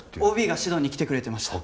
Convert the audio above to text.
ＯＢが指導に来てくれてました。